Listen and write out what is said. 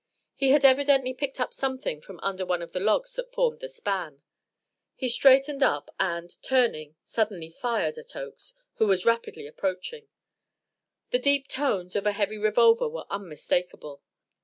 He had evidently picked up something from under one of the logs that formed the span. He straightened up and, turning, suddenly fired at Oakes, who was rapidly approaching. The deep tones of a heavy revolver were unmistakable.